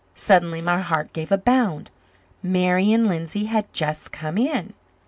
Suddenly my heart gave a bound. Marian Lindsay had just come in.